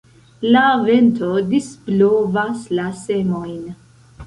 La vento disblovas la semojn.